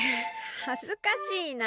恥ずかしいな。